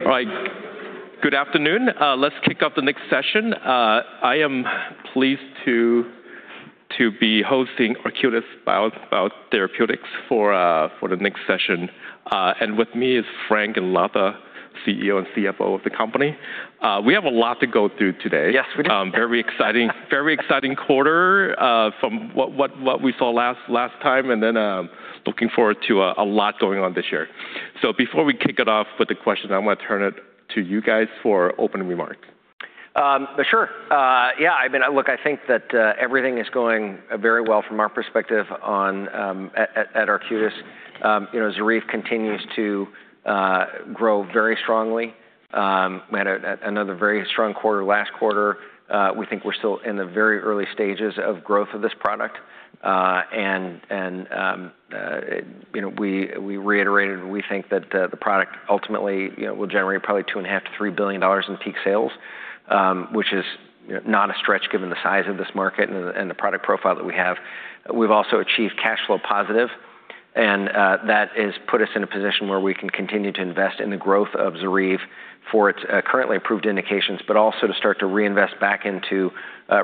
All right. Good afternoon. Let's kick off the next session. I am pleased to be hosting Arcutis Biotherapeutics for the next session. With me is Frank and Latha, CEO and CFO of the company. We have a lot to go through today. Yes, we do. Very exciting quarter from what we saw last time, looking forward to a lot going on this year. Before we kick it off with the questions, I want to turn it to you guys for opening remarks. Sure. Yeah, look, I think that everything is going very well from our perspective at Arcutis. ZORYVE continues to grow very strongly. We had another very strong quarter last quarter. We think we're still in the very early stages of growth of this product. We reiterated, we think that the product ultimately will generate probably two and a half billion dollars to $3 billion in peak sales, which is not a stretch given the size of this market and the product profile that we have. We've also achieved cash flow positive. That has put us in a position where we can continue to invest in the growth of ZORYVE for its currently approved indications, but also to start to reinvest back into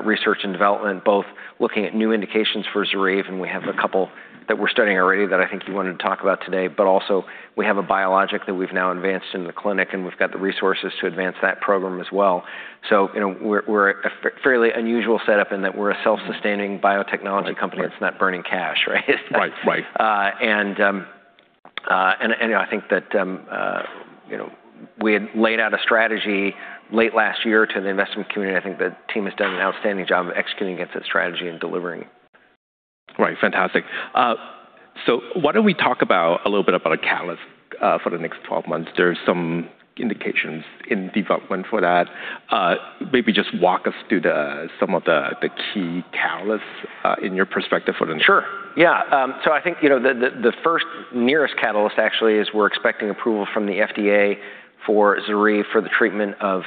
research and development, both looking at new indications for ZORYVE. We have a couple that we're studying already that I think you wanted to talk about today. Also, we have a biologic that we've now advanced in the clinic, and we've got the resources to advance that program as well. We're a fairly unusual setup in that we're a self-sustaining biotechnology company that's not burning cash, right? Right. I think that we had laid out a strategy late last year to the investment community. I think the team has done an outstanding job of executing against that strategy and delivering. Right. Fantastic. Why don't we talk about a little bit about a catalyst for the next 12 months? There's some indications in development for that. Maybe just walk us through some of the key catalysts in your perspective for the next- Sure. Yeah. I think the first nearest catalyst actually is we're expecting approval from the FDA for ZORYVE for the treatment of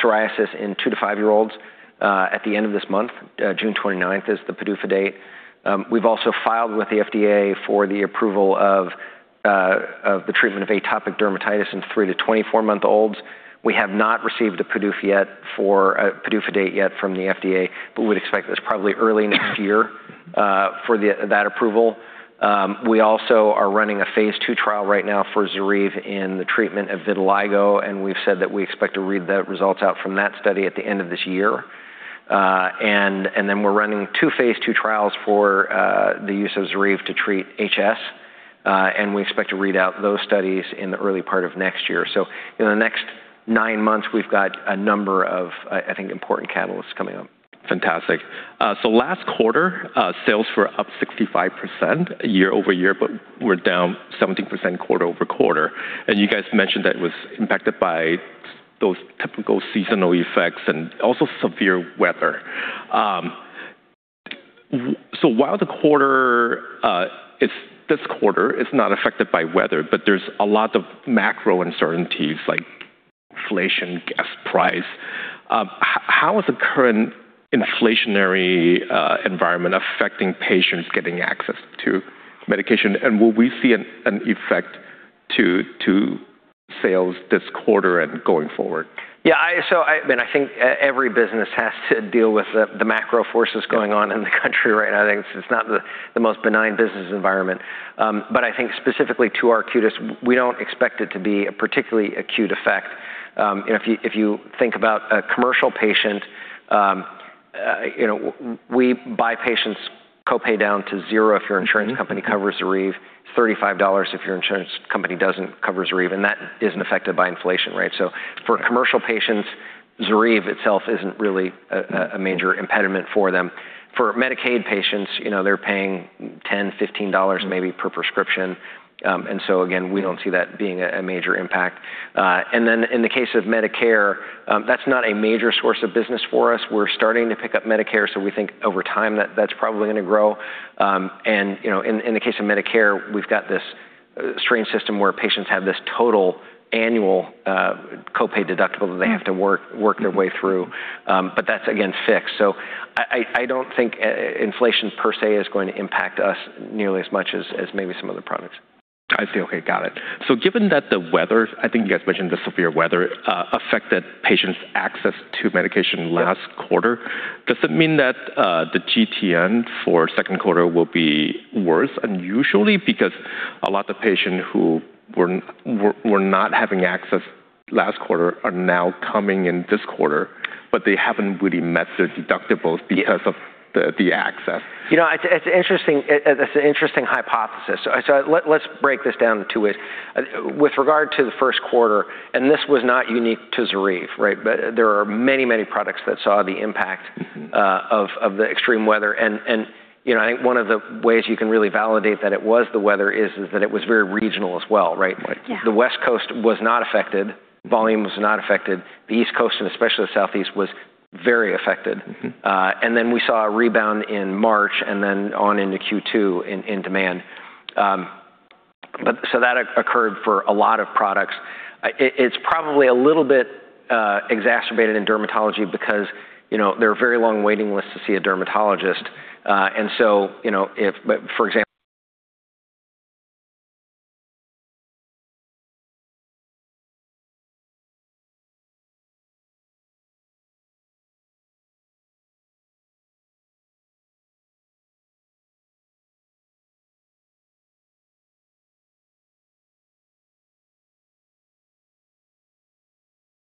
psoriasis in two to five-year-olds at the end of this month. June 29th is the PDUFA date. We've also filed with the FDA for the approval of the treatment of atopic dermatitis in three to 24-month-olds. We have not received a PDUFA date yet from the FDA, but we'd expect this probably early next year for that approval. We also are running a phase II trial right now for ZORYVE in the treatment of vitiligo. We've said that we expect to read the results out from that study at the end of this year. Then we're running two phase II trials for the use of ZORYVE to treat HS. We expect to read out those studies in the early part of next year. In the next nine months, we've got a number of, I think, important catalysts coming up. Fantastic. Last quarter, sales were up 65% year-over-year, but were down 17% quarter-over-quarter. You guys mentioned that it was impacted by those typical seasonal effects and also severe weather. While this quarter is not affected by weather, but there's a lot of macro uncertainties like inflation, gas price. How is the current inflationary environment affecting patients getting access to medication? Will we see an effect to sales this quarter and going forward? Yeah. I think every business has to deal with the macro forces going on in the country right now. I think it's not the most benign business environment. I think specifically to Arcutis, we don't expect it to be a particularly acute effect. If you think about a commercial patient, we buy patients' co-pay down to zero if your insurance company covers ZORYVE, $35 if your insurance company doesn't cover ZORYVE, and that isn't affected by inflation, right? For commercial patients, ZORYVE itself isn't really a major impediment for them. For Medicaid patients, they're paying $10, $15 maybe per prescription. Again, we don't see that being a major impact. In the case of Medicare, that's not a major source of business for us. We're starting to pick up Medicare, so we think over time that's probably going to grow. In the case of Medicare, we've got this strange system where patients have this total annual co-pay deductible that they have to work their way through. That's again, fixed. I don't think inflation per se is going to impact us nearly as much as maybe some other products. I see. Okay. Got it. Given that the weather, I think you guys mentioned the severe weather affected patients' access to medication last quarter, does it mean that the GTN for second quarter will be worse unusually because a lot of patients who were not having access last quarter are now coming in this quarter, but they haven't really met their deductibles because of the access? It's an interesting hypothesis. Let's break this down into two ways. With regard to the first quarter, and this was not unique to ZORYVE, right? But there are many products that saw the impact of the extreme weather, and I think one of the ways you can really validate that it was the weather is that it was very regional as well, right? Right. The West Coast was not affected. Volume was not affected. The East Coast, and especially the Southeast, was very affected. Then we saw a rebound in March and then on into Q2 in demand. That occurred for a lot of products. It's probably a little bit exacerbated in dermatology because there are very long waiting lists to see a dermatologist. for exampleThe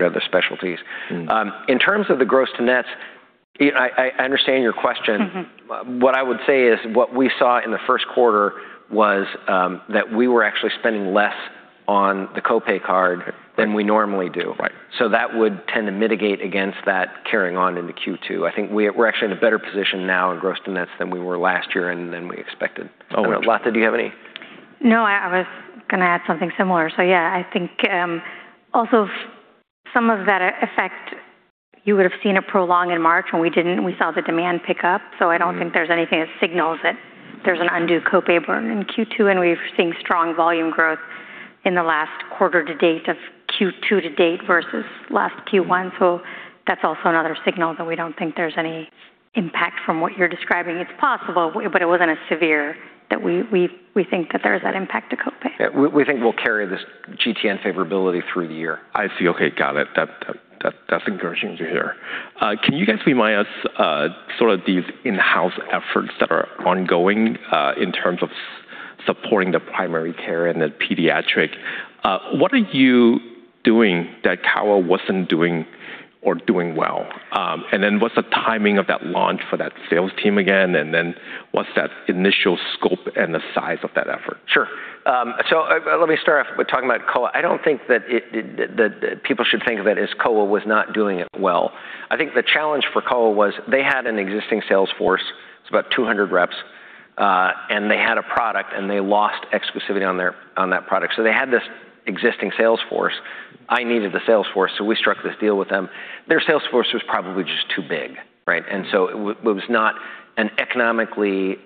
other specialties. In terms of the gross to nets, I understand your question. What I would say is what we saw in the first quarter was that we were actually spending less on the copay card- Right than we normally do. Right. That would tend to mitigate against that carrying on into Q2. I think we're actually in a better position now in gross to nets than we were last year and than we expected. Oh, okay. Latha, do you have any? No, I was going to add something similar. Yeah, I think also some of that effect, you would've seen it prolong in March, and we didn't. We saw the demand pick up. I don't think there's anything that signals that there's an undue copay burn in Q2, and we're seeing strong volume growth in the last quarter to date of Q2 to date versus last Q1. That's also another signal that we don't think there's any impact from what you're describing. It's possible, but it wasn't as severe that we think that there is that impact to copay. Yeah, we think we'll carry this GTN favorability through the year. I see. Okay. Got it. That's encouraging to hear. Can you guys remind us sort of these in-house efforts that are ongoing, in terms of supporting the primary care and the pediatric? What are you doing that Kao wasn't doing or doing well? What's the timing of that launch for that sales team again, and what's that initial scope and the size of that effort? Sure. Let me start off with talking about Koa Bio. I don't think that people should think of it as Koa Bio was not doing it well. I think the challenge for Koa Bio was they had an existing sales force, it's about 200 reps, and they had a product, and they lost exclusivity on that product. They had this existing sales force. I needed the sales force, so we struck this deal with them. Their sales force was probably just too big, right? It was not an economically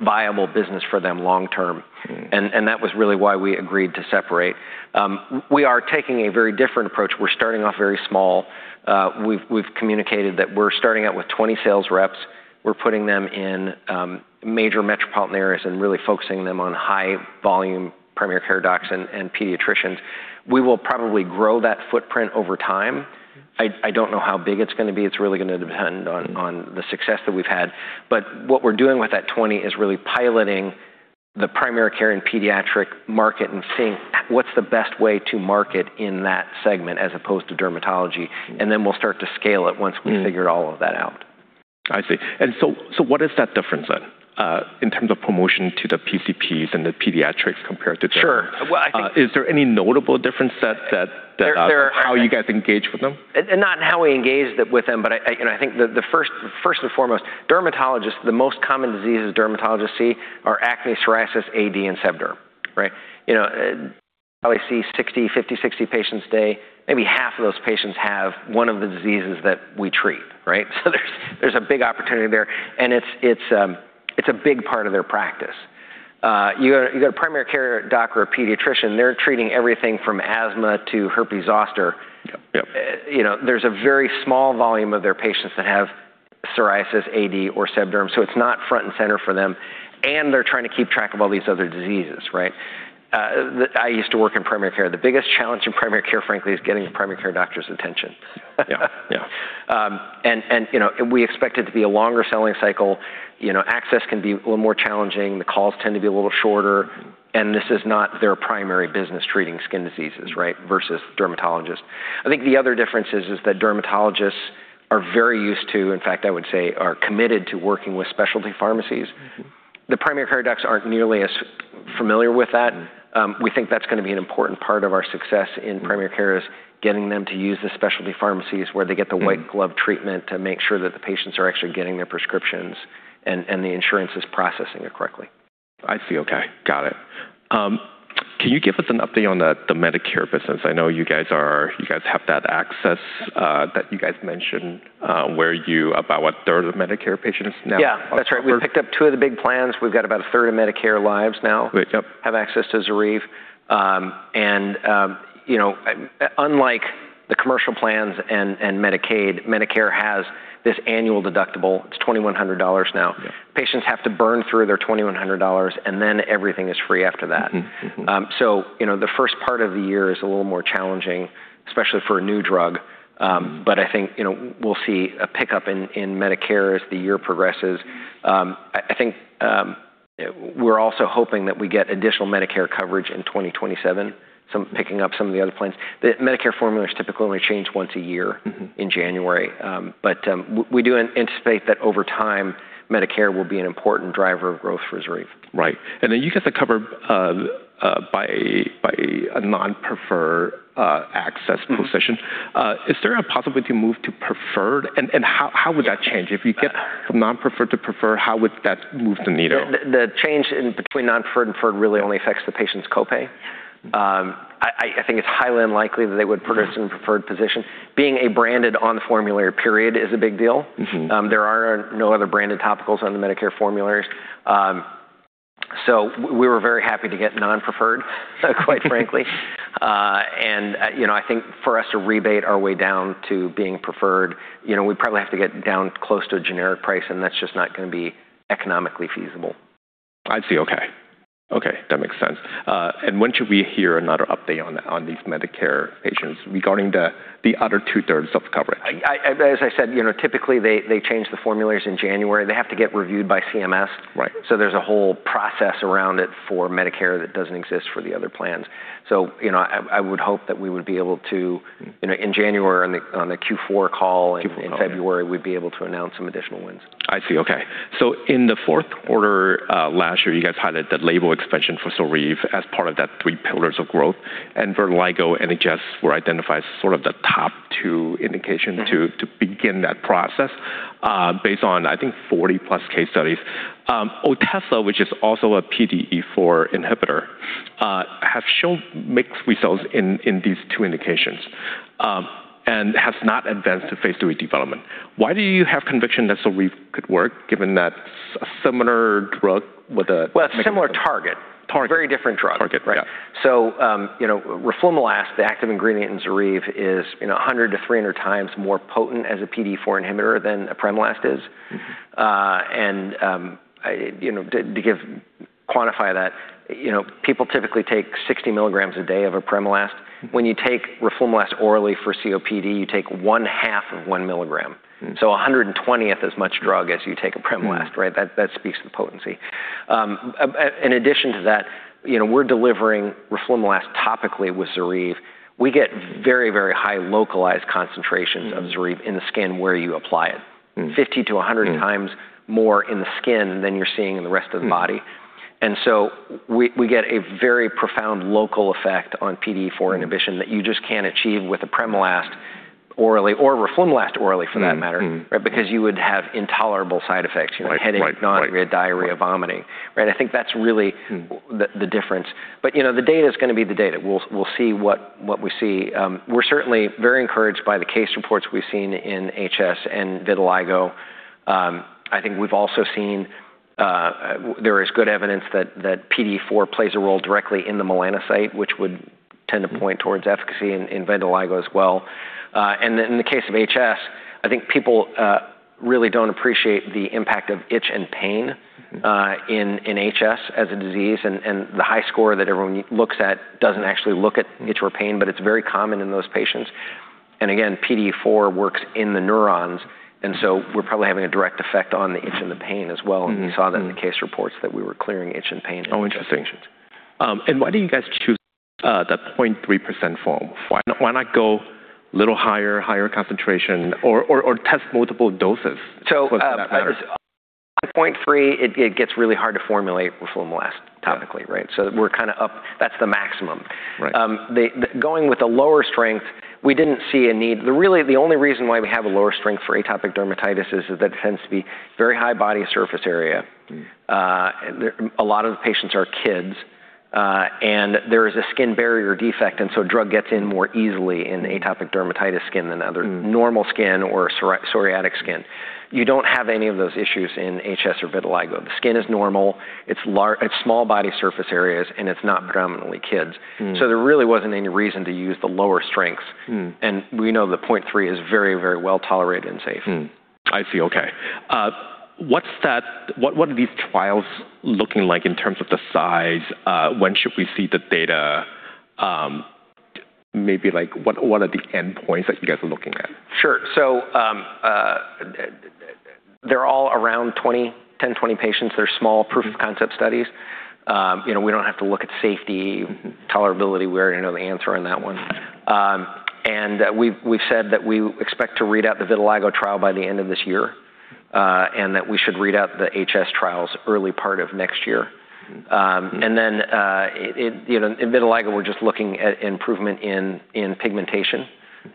viable business for them long term. That was really why we agreed to separate. We are taking a very different approach. We're starting off very small. We've communicated that we're starting out with 20 sales reps. We're putting them in major metropolitan areas and really focusing them on high-volume primary care docs and pediatricians. We will probably grow that footprint over time. I don't know how big it's going to be. It's really going to depend on the success that we've had. What we're doing with that 20 is really piloting the primary care and pediatric market and seeing what's the best way to market in that segment as opposed to dermatology. We'll start to scale it once we figure all of that out. I see. What is that difference then, in terms of promotion to the PCPs and the pediatrics compared to dermatology? Sure. Well, I think- Is there any notable difference how you guys engage with them? Not in how we engaged with them, I think the first and foremost, dermatologists, the most common diseases dermatologists see are acne, psoriasis, AD, and sebderm, right? They probably see 60, 50, 60 patients a day. Maybe half of those patients have one of the diseases that we treat, right? There's a big opportunity there, and it's a big part of their practice. You got a primary care doc or a pediatrician, they're treating everything from asthma to herpes zoster. Yep. There's a very small volume of their patients that have psoriasis, AD, or seborrheic dermatitis, so it's not front and center for them, and they're trying to keep track of all these other diseases, right? I used to work in primary care. The biggest challenge in primary care, frankly, is getting a primary care doctor's attention. Yeah. We expect it to be a longer selling cycle. Access can be a little more challenging. The calls tend to be a little shorter. This is not their primary business, treating skin diseases, right, versus dermatologists. I think the other difference is that dermatologists are very used to, in fact, I would say are committed to working with specialty pharmacies. The primary care docs aren't nearly as familiar with that. We think that's going to be an important part of our success in primary care is getting them to use the specialty pharmacies where they get the white glove treatment to make sure that the patients are actually getting their prescriptions and the insurance is processing it correctly. I see. Okay. Got it. Can you give us an update on the Medicare business? I know you guys have that access that you guys mentioned, where you about, what, a third of Medicare patients now? Yeah, that's right. We've picked up two of the big plans. We've got about a third of Medicare lives now. Great. Yep. Have access to ZORYVE. Unlike the commercial plans and Medicaid, Medicare has this annual deductible. It's $2,100 now. Yeah. Patients have to burn through their $2,100, and then everything is free after that. The first part of the year is a little more challenging, especially for a new drug. I think we'll see a pickup in Medicare as the year progresses. I think we're also hoping that we get additional Medicare coverage in 2027, picking up some of the other plans. The Medicare formularies typically only change once a year. in January. We do anticipate that over time, Medicare will be an important driver of growth for ZORYVE. Right. You guys are covered by a non-preferred access position. Is there a possibility to move to preferred, and how would that change? If you get from non-preferred to preferred, how would that move the needle? The change in between non-preferred and preferred really only affects the patient's copay. I think it's highly unlikely that they would put us in a preferred position. Being a branded on the formulary, period, is a big deal. There are no other branded topicals on the Medicare formularies. We were very happy to get non-preferred, quite frankly. I think for us to rebate our way down to being preferred, we'd probably have to get down close to a generic price, and that's just not going to be economically feasible. I see. Okay. That makes sense. When should we hear another update on these Medicare patients regarding the other two-thirds of the coverage? As I said, typically they change the formularies in January. They have to get reviewed by CMS. Right. there's a whole process around it for Medicare that doesn't exist for the other plans. I would hope that we would be able to in January on the Q4 call- Q4 call, yeah in February, we'd be able to announce some additional wins. I see. Okay. In the fourth quarter last year, you guys highlighted that label expansion for ZORYVE as part of that three pillars of growth, and vitiligo and HS were identified as sort of the top two indications to begin that process based on, I think, 40+ case studies. Otezla, which is also a PDE4 inhibitor, have shown mixed results in these two indications and has not advanced to phase III development. Why do you have conviction that ZORYVE could work given that a similar drug with a- Well, a similar target. Target. Very different drug. Target, right. Roflumilast, the active ingredient in ZORYVE, is 100-300 times more potent as a PDE4 inhibitor than apremilast is. To quantify that, people typically take 60 milligrams a day of apremilast. When you take roflumilast orally for COPD, you take one half of one milligram. A 120th as much drug as you take apremilast, right? That speaks to the potency. In addition to that, we're delivering roflumilast topically with ZORYVE. We get very, very high localized concentrations of ZORYVE in the skin where you apply it. 50-100 times more in the skin than you're seeing in the rest of the body. We get a very profound local effect on PDE4 inhibition that you just can't achieve with apremilast orally or roflumilast orally for that matter. Because you would have intolerable side effects. Right headache, nausea, diarrhea, vomiting. Right? That's really the difference. The data's going to be the data. We'll see what we see. We're certainly very encouraged by the case reports we've seen in HS and vitiligo. We've also seen there is good evidence that PDE4 plays a role directly in the melanocyte, which would tend to point towards efficacy in vitiligo as well. In the case of HS, people really don't appreciate the impact of itch and pain in HS as a disease, and the high score that everyone looks at doesn't actually look at itch or pain, but it's very common in those patients. Again, PDE4 works in the neurons, and so we're probably having a direct effect on the itch and the pain as well. We saw that in the case reports that we were clearing itch and pain in those patients. Interesting. Why do you guys choose the 0.3% form? Why not go a little higher concentration or test multiple doses for that matter? Above 0.3, it gets really hard to formulate roflumilast topically, right? We're kind of that's the maximum. Right. Going with a lower strength, we didn't see a need. Really, the only reason why we have a lower strength for atopic dermatitis is that it tends to be very high body surface area. A lot of the patients are kids. There is a skin barrier defect, and so drug gets in more easily in atopic dermatitis skin than other normal skin or psoriatic skin. You don't have any of those issues in HS or vitiligo. The skin is normal. It's small body surface areas, and it's not predominantly kids. There really wasn't any reason to use the lower strengths. We know that 0.3 is very well tolerated and safe. I see. Okay. What are these trials looking like in terms of the size? When should we see the data? What are the endpoints that you guys are looking at? Sure. They're all around 20, 10, 20 patients. They're small proof of concept studies. We don't have to look at safety, tolerability. We already know the answer on that one. We've said that we expect to read out the vitiligo trial by the end of this year. That we should read out the HS trials early part of next year. In vitiligo, we're just looking at improvement in pigmentation.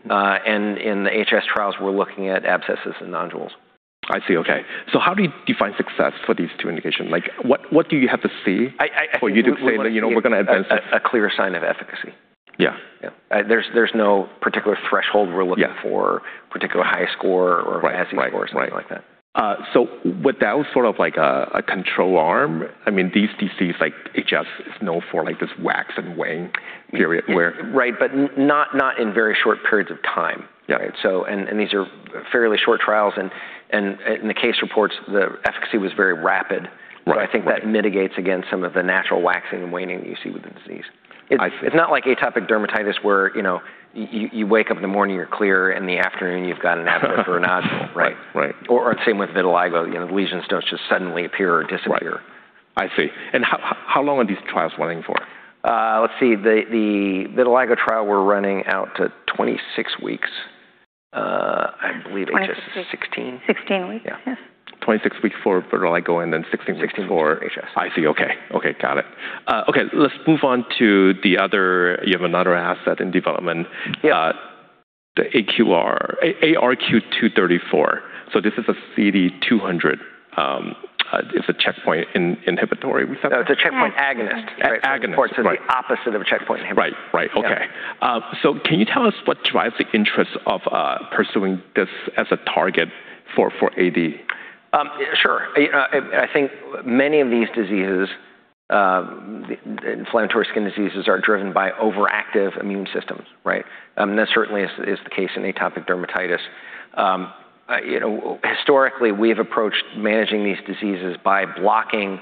In the HS trials, we're looking at abscesses and nodules. I see. Okay. How do you define success for these two indications? What do you have to see for you to say that we're going to advance this? A clear sign of efficacy. Yeah. Yeah. There's no particular threshold we're looking for. Yeah Particular high score or PASI score or something like that. With that sort of like a control arm, these diseases like HS is known for this wax and wane period where. Right. Not in very short periods of time. Yeah. These are fairly short trials, and in the case reports, the efficacy was very rapid. Right. I think that mitigates against some of the natural waxing and waning that you see with the disease. I see. It's not like atopic dermatitis where you wake up in the morning, you're clear, in the afternoon you've got an abscess or a nodule, right? Right. Same with vitiligo, the lesions don't just suddenly appear or disappear. Right. I see. How long are these trials running for? Let's see. The vitiligo trial, we're running out to 26 weeks. I believe HS is 16. 16 weeks, yes. 26 weeks for vitiligo and then 16 weeks for- 16 for HS. I see. Okay. Got it. Okay, let's move on to the other. You have another asset in development. Yeah. The ARQ-234. This is a CD200. It's a checkpoint inhibitory receptor? No, it's a checkpoint agonist. Agonist. Agonist, right. It's the opposite of a checkpoint inhibitor. Right. Okay. Yeah. Can you tell us what drives the interest of pursuing this as a target for AD? Sure. Many of these diseases. Inflammatory skin diseases are driven by overactive immune systems. That certainly is the case in atopic dermatitis. Historically, we have approached managing these diseases by blocking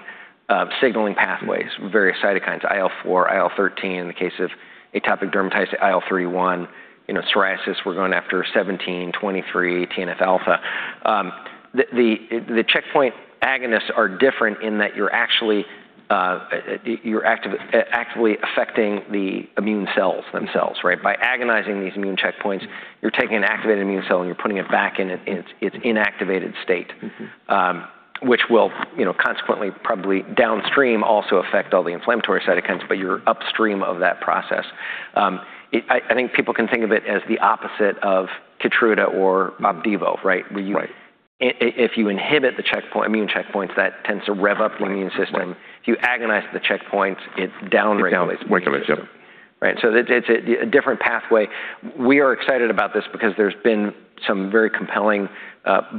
signaling pathways, various cytokines, IL-4, IL-13, in the case of atopic dermatitis, IL-31, psoriasis, we're going after 17, 23, TNF-alpha. The checkpoint agonists are different in that you're actively affecting the immune cells themselves. By agonizing these immune checkpoints, you're taking an activated immune cell, and you're putting it back in its inactivated state, which will consequently, probably downstream, also affect all the inflammatory cytokines, but you're upstream of that process. People can think of it as the opposite of KEYTRUDA or OPDIVO. Right. If you inhibit the immune checkpoints, that tends to rev up the immune system. If you agonize the checkpoints, it down-regulates the immune system. It down-regulates, yep. It's a different pathway. We are excited about this because there's been some very compelling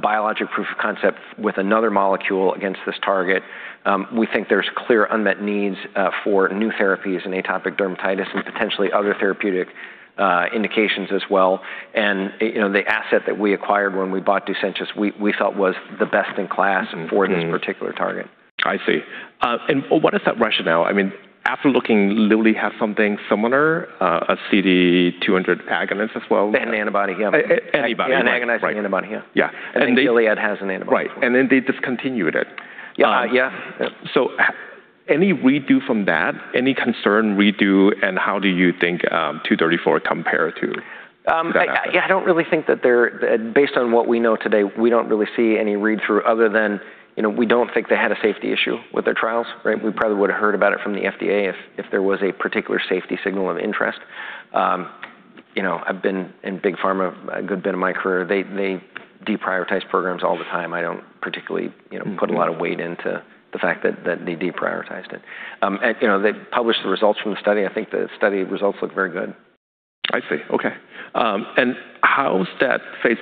biologic proof of concept with another molecule against this target. We think there's clear unmet needs for new therapies in atopic dermatitis and potentially other therapeutic indications as well. The asset that we acquired when we bought Ducentis, we felt was the best in class for this particular target. I see. What is that rationale? After looking, Lilly has something similar, a CD200 agonist as well. An antibody, yeah. Antibody. An agonizing antibody, yeah. Yeah. Gilead has an antibody as well. Right. They discontinued it. Yeah. Any read-through from that, any concern read-through, how do you think ARQ-234 compare to that asset? Based on what we know today, we don't really see any read-through other than we don't think they had a safety issue with their trials. We probably would've heard about it from the FDA if there was a particular safety signal of interest. I've been in Big Pharma a good bit of my career. They deprioritize programs all the time. I don't particularly put a lot of weight into the fact that they deprioritized it. They published the results from the study. I think the study results look very good. I see. Okay.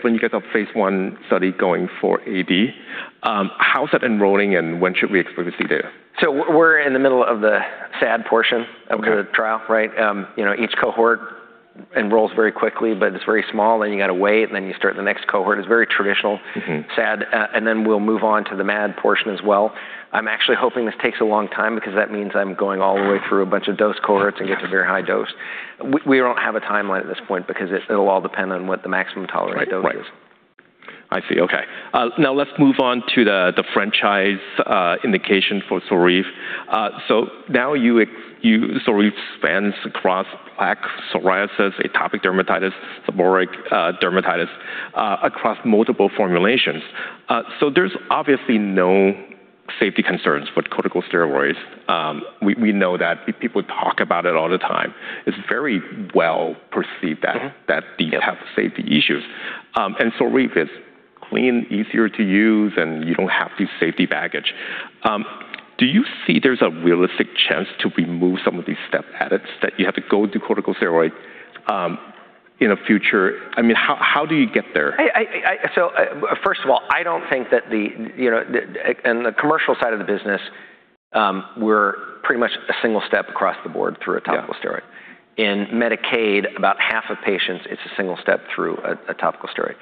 When you get the phase I study going for AD, how's that enrolling, and when should we expect to see data? We're in the middle of the SAD portion of the trial. Okay. Each cohort enrolls very quickly, it's very small, you got to wait, you start the next cohort. It's very traditional SAD. We'll move on to the MAD portion as well. I'm actually hoping this takes a long time because that means I'm going all the way through a bunch of dose cohorts and get to very high dose. We don't have a timeline at this point because it'll all depend on what the maximum tolerated dose is. Right. I see. Okay. Now let's move on to the franchise indication for ZORYVE. Now ZORYVE spans across plaque psoriasis, atopic dermatitis, seborrheic dermatitis, across multiple formulations. There's obviously known safety concerns for corticosteroids. We know that. People talk about it all the time. It's very well perceived that these have safety issues. ZORYVE is clean, easier to use, and you don't have these safety baggage. Do you see there's a realistic chance to remove some of these step edits that you have to go through corticosteroid in a future? How do you get there? First of all, in the commercial side of the business, we're pretty much a single step across the board through a topical steroid. Yeah. In Medicaid, about half of patients, it's a single step through a topical steroid.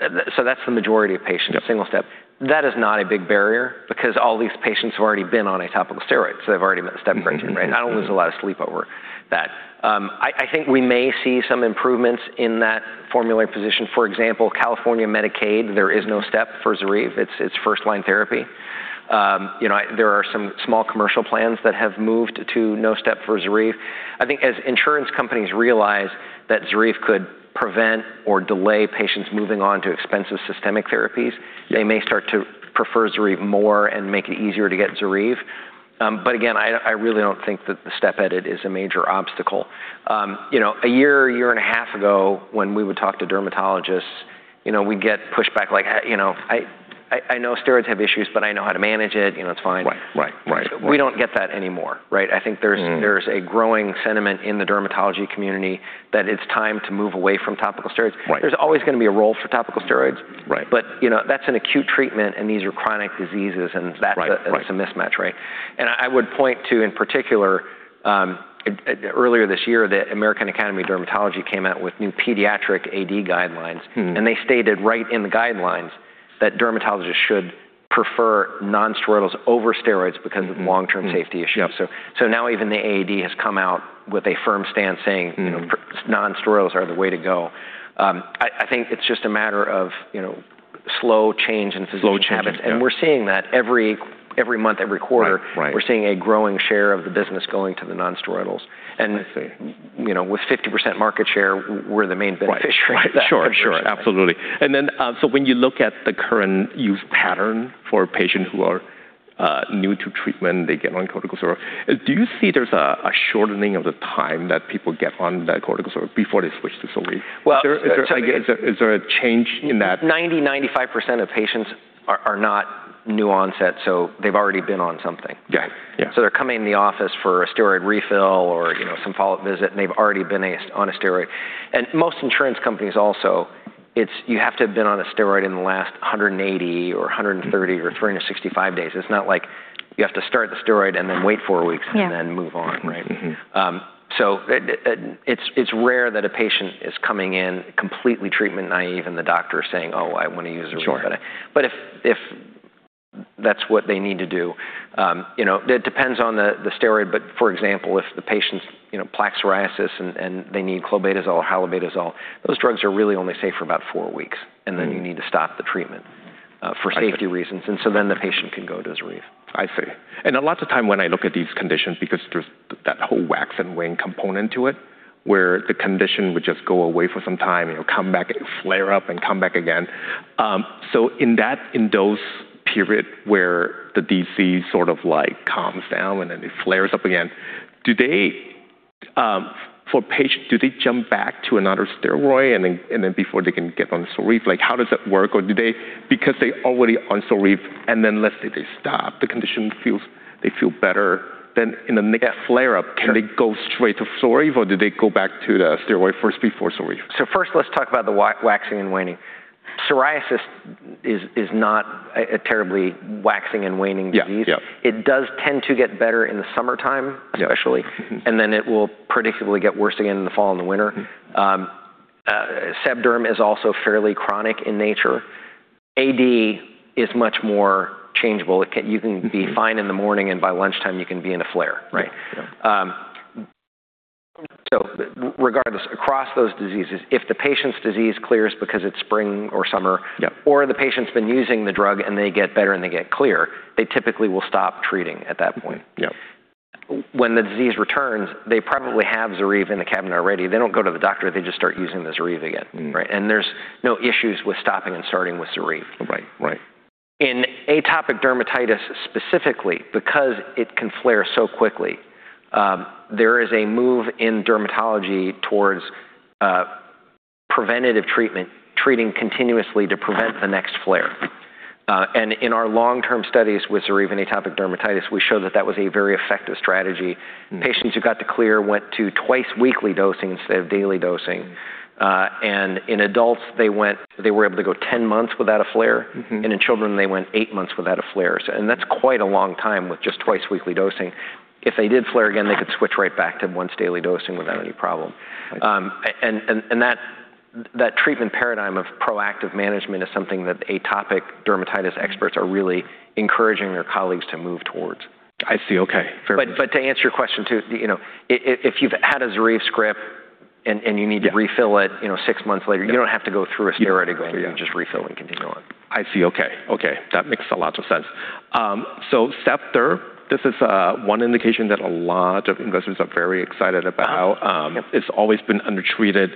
That's the majority of patients, a single step. That is not a big barrier because all these patients have already been on a topical steroid, so they've already met the step criterion. I don't lose a lot of sleep over that. I think we may see some improvements in that formulary position. For example, California Medicaid, there is no step for ZORYVE. It's first-line therapy. There are some small commercial plans that have moved to no step for ZORYVE. I think as insurance companies realize that ZORYVE could prevent or delay patients moving on to expensive systemic therapies, they may start to prefer ZORYVE more and make it easier to get ZORYVE. Again, I really don't think that the step edit is a major obstacle. A year and a half ago, when we would talk to dermatologists, we'd get pushback like, "I know steroids have issues, but I know how to manage it. It's fine. Right. We don't get that anymore. I think there's a growing sentiment in the dermatology community that it's time to move away from topical steroids. Right. There's always going to be a role for topical steroids. Right. That's an acute treatment, and these are chronic diseases, and that's a mismatch, right Right. I would point to, in particular, earlier this year, the American Academy of Dermatology came out with new pediatric AD guidelines. They stated right in the guidelines that dermatologists should prefer nonsteroidals over steroids because of long-term safety issues. Yep. Now even the AAD has come out with a firm stance saying nonsteroidals are the way to go. I think it's just a matter of slow change in physician habits. Slow change, yeah. We're seeing that every month, every quarter. Right. We're seeing a growing share of the business going to the nonsteroidals. I see. With 50% market share, we're the main beneficiary of that conversion. Right. Sure. Absolutely. When you look at the current use pattern for patients who are new to treatment, they get on corticosteroid, do you see there's a shortening of the time that people get on the corticosteroid before they switch to ZORYVE? Well- Is there a change in that? 90, 95% of patients are not new onset, so they've already been on something. Yeah. They're coming in the office for a steroid refill or some follow-up visit, and they've already been on a steroid. Most insurance companies also. You have to have been on a steroid in the last 180 or 130 or 365 days. It's not like you have to start the steroid and then wait four weeks and then move on, right? It's rare that a patient is coming in completely treatment naive and the doctor is saying, "Oh, I want to use a ZORYVE but if that's what they need to do, it depends on the steroid. For example, if the patient's plaque psoriasis and they need clobetasol or halobetasol, those drugs are really only safe for about four weeks, then you need to stop the treatment for safety reasons. Then the patient can go to ZORYVE. I see. A lot of time when I look at these conditions, because there's that whole wax and wane component to it, where the condition would just go away for some time, it'll come back and flare up and come back again. In those period where the disease sort of calms down and then it flares up again, for patient, do they jump back to another steroid and then before they can get on ZORYVE, how does that work? Because they already on ZORYVE and then let's say they stop, the condition feels they feel better, then in the next flare up, can they go straight to ZORYVE or do they go back to the steroid first before ZORYVE? First let's talk about the waxing and waning. Psoriasis is not a terribly waxing and waning disease. Yeah. It does tend to get better in the summertime especially. Yeah. It will predictably get worse again in the fall and the winter. Sebderm is also fairly chronic in nature. AD is much more changeable. You can be fine in the morning and by lunchtime you can be in a flare, right? Yeah. Regardless, across those diseases, if the patient's disease clears because it's spring or summer. Yeah The patient's been using the drug and they get better and they get clear, they typically will stop treating at that point. Yep. When the disease returns, they probably have ZORYVE in the cabinet already. They don't go to the doctor. They just start using the ZORYVE again, right? There's no issues with stopping and starting with ZORYVE. Right. In atopic dermatitis specifically because it can flare so quickly, there is a move in dermatology towards preventative treatment, treating continuously to prevent the next flare. In our long-term studies with ZORYVE in atopic dermatitis, we show that that was a very effective strategy. Patients who got the clear went to twice-weekly dosing instead of daily dosing. In adults they were able to go 10 months without a flare, and in children they went eight months without a flare. That's quite a long time with just twice-weekly dosing. If they did flare again, they could switch right back to once-daily dosing without any problem. I see. That treatment paradigm of proactive management is something that atopic dermatitis experts are really encouraging their colleagues to move towards. I see. Okay. Fair. To answer your question, too, if you've had a ZORYVE script and you need to refill it six months later, you don't have to go through a steroid again. You just refill and continue on. I see. Okay. That makes a lot of sense. SEBDERM, this is one indication that a lot of investors are very excited about. Yep. It's always been undertreated,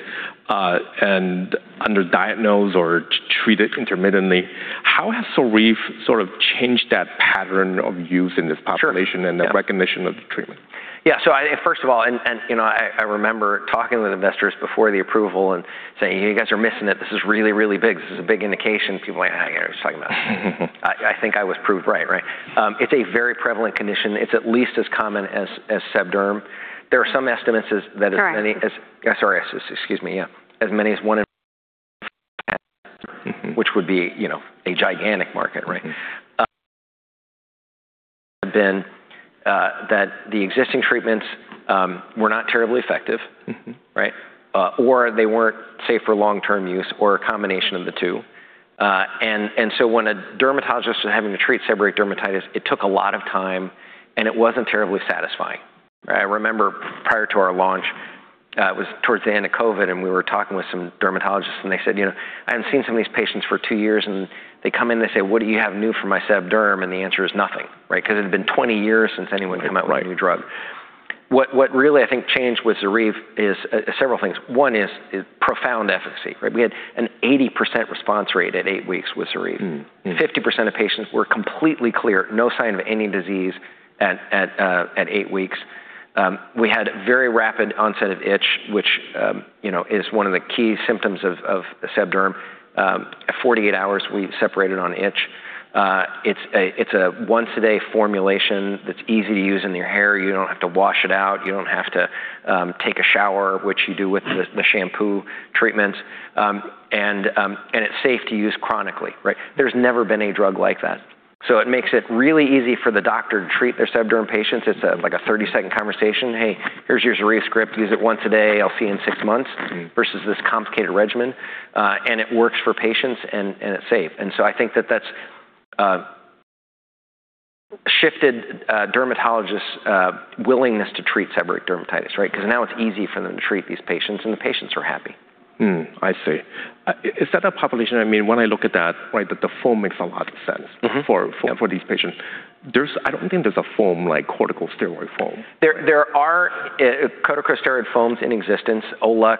and under-diagnosed or treated intermittently. How has ZORYVE sort of changed that pattern of use in this population? Sure. Yeah. the recognition of the treatment? Yeah. First of all, I remember talking with investors before the approval and saying, "You guys are missing it. This is really, really big. This is a big indication." People went, "You know, just talking about it." I think I was proved right. It's a very prevalent condition. It's at least as common as Sebderm. There are some estimates that as many as- Correct Sorry, excuse me, yeah. As many as one in which would be a gigantic market, right? Been that the existing treatments were not terribly effective- They weren't safe for long term use or a combination of the two. When a dermatologist was having to treat seborrheic dermatitis, it took a lot of time, and it wasn't terribly satisfying. I remember prior to our launch, it was towards the end of COVID, we were talking with some dermatologists, and they said, "I haven't seen some of these patients for two years." They come in, they say, "What do you have new for my Sebderm?" The answer is nothing, right? Because it had been 20 years since anyone came out with a new drug. What really I think changed with ZORYVE is several things. One is profound efficacy, right? We had an 80% response rate at eight weeks with ZORYVE. 50% of patients were completely clear. No sign of any disease at eight weeks. We had very rapid onset of itch, which is one of the key symptoms of sebderm. At 48 hours, we separated on itch. It's a once a day formulation that's easy to use in your hair. You don't have to wash it out. You don't have to take a shower, which you do with the shampoo treatments. It's safe to use chronically, right? There's never been a drug like that. It makes it really easy for the doctor to treat their sebderm patients. It's like a 30 second conversation, "Hey, here's your ZORYVE script. Use it once a day. I'll see you in six months," versus this complicated regimen. It works for patients, and it's safe. I think that that's shifted dermatologists' willingness to treat seborrheic dermatitis, right? Because now it's easy for them to treat these patients, and the patients are happy. I see. Is that a population, when I look at that, the foam makes a lot of sense. for these patients. I don't think there's a foam like corticosteroid foam. There are corticosteroid foams in existence. Olux,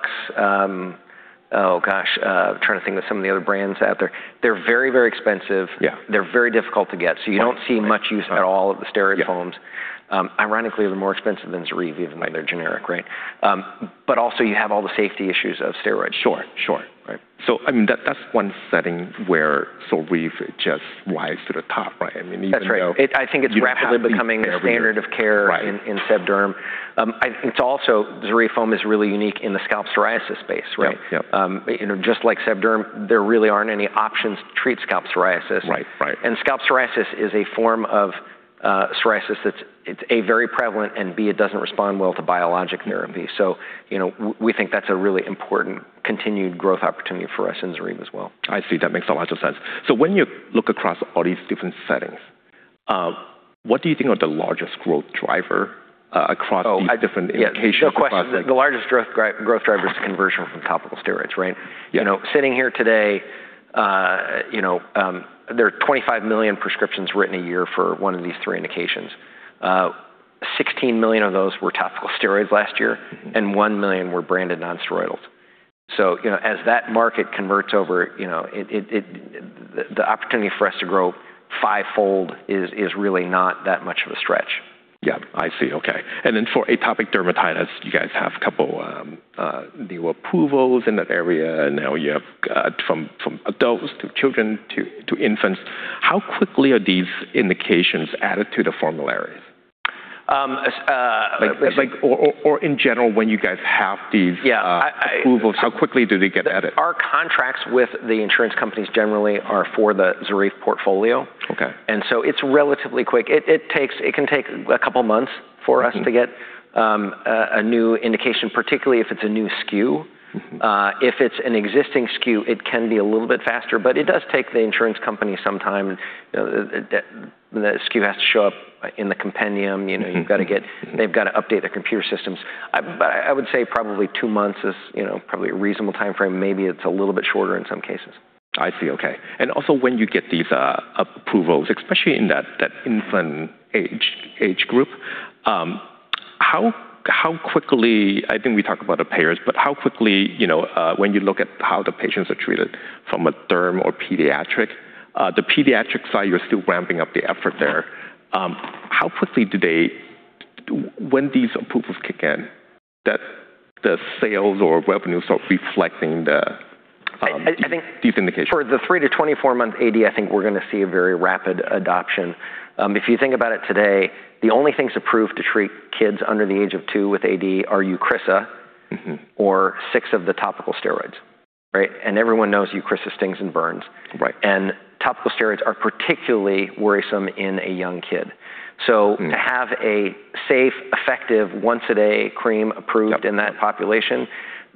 oh gosh, trying to think of some of the other brands out there. They're very, very expensive. Yeah. They're very difficult to get. You don't see much use at all of the steroid foams. Ironically, they're more expensive than ZORYVE, even though they're generic, right? Also you have all the safety issues of steroids. Sure. That's one setting where ZORYVE just rises to the top, right? That's right. I think it's rapidly becoming standard of care. Right in seb derm. It's also, ZORYVE foam is really unique in the scalp psoriasis space, right? Yep. Just like seb derm, there really aren't any options to treat scalp psoriasis. Right. Scalp psoriasis is a form of psoriasis that's, A, very prevalent, and B, it doesn't respond well to biologic therapy. We think that's a really important continued growth opportunity for us in ZORYVE as well. I see. That makes a lot of sense. When you look across all these different settings, what do you think are the largest growth driver across these different indications? No question. The largest growth driver is conversion from topical steroids, right? Yeah. Sitting here today, there are 25 million prescriptions written a year for one of these three indications. 16 million of those were topical steroids last year, and 1 million were branded non-steroidals. As that market converts over, the opportunity for us to grow fivefold is really not that much of a stretch. Yeah. I see. Okay. Then for atopic dermatitis, you guys have a couple new approvals in that area, and now you have from adults to children to infants. How quickly are these indications added to the formularies? Or in general, when you guys have these Yeah approvals, how quickly do they get added? Our contracts with the insurance companies generally are for the ZORYVE portfolio. Okay. It's relatively quick. It can take a couple of months for us to get a new indication, particularly if it's a new SKU. If it's an existing SKU, it can be a little bit faster, it does take the insurance company some time. The SKU has to show up in the compendium. They've got to update their computer systems. I would say probably two months is probably a reasonable timeframe. Maybe it's a little bit shorter in some cases. I see. Okay. Also when you get these approvals, especially in that infant age group, I think we talked about the payers, how quickly when you look at how the patients are treated from a derm or pediatric, the pediatric side, you're still ramping up the effort there. When these approvals kick in, the sales or revenues are reflecting these indications. For the 3 to 24-month AD, I think we're going to see a very rapid adoption. If you think about it today, the only things approved to treat kids under the age of two with AD are EUCRISA- or six of the topical steroids. Right? Everyone knows EUCRISA stings and burns. Right. Topical steroids are particularly worrisome in a young kid. To have a safe, effective once-a-day cream approved in that population,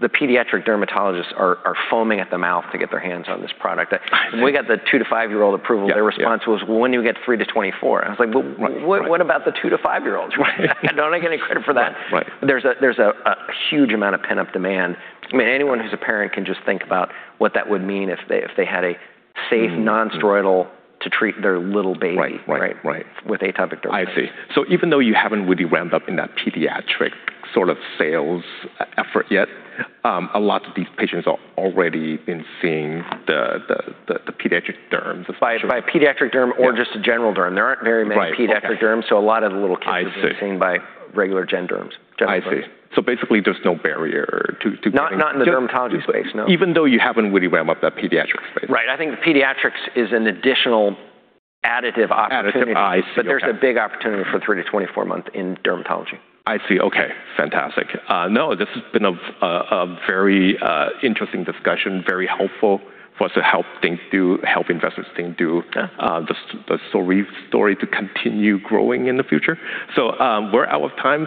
the pediatric dermatologists are foaming at the mouth to get their hands on this product. I see. When we got the 2 to 5-year-old approval, their response was, "Well, when do you get 3 to 24?" I was like, "Well, what about the 2 to 5-year-olds? Don't I get any credit for that? Right. There's a huge amount of pent-up demand. I mean, anyone who's a parent can just think about what that would mean if they had a safe, non-steroidal to treat their little baby. Right. With atopic dermatitis. I see. Even though you haven't really ramped up in that pediatric sort of sales effort yet, a lot of these patients are already seeing the pediatric derms, especially. By pediatric derm or just a general derm. There aren't very many pediatric derms, a lot of the little kids. I see are being seen by regular gen derms generally. I see. Basically, there's no barrier to getting- Not in the dermatology space, no. Even though you haven't really ramped up that pediatric space. Right. I think the pediatrics is an additional additive opportunity. Additive. I see. Okay. There's a big opportunity for three to 24-month in dermatology. I see. Okay, fantastic. This has been a very interesting discussion, very helpful for us to help investors think through the ZORYVE story to continue growing in the future. We're out of time.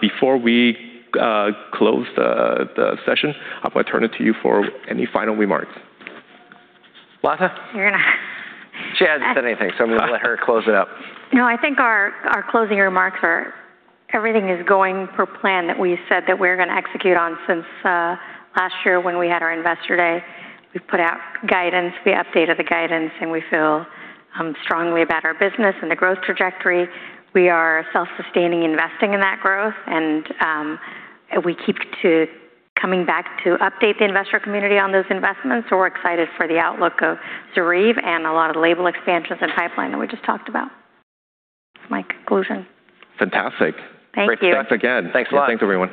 Before we close the session, I'm going to turn it to you for any final remarks. Latha? You're going to She hasn't said anything, I'm going to let her close it out. I think our closing remarks are everything is going per plan that we said that we're going to execute on since last year when we had our Investor Day. We've put out guidance, we updated the guidance, we feel strongly about our business and the growth trajectory. We are self-sustaining, investing in that growth, we keep coming back to update the investor community on those investments, we're excited for the outlook of ZORYVE and a lot of label expansions and pipeline that we just talked about. That's my conclusion. Fantastic. Thank you. Great stuff again. Thanks a lot. Thanks, everyone.